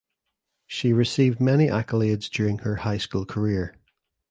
She received many accolades during her high school career.